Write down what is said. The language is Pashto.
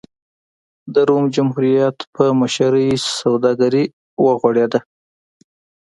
د روم جمهوریت په مشرۍ سوداګري وغوړېده.